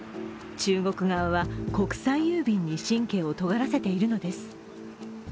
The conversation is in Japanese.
中国側は国際郵便に神経を尖らせているのです。